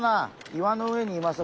岩の上にいます。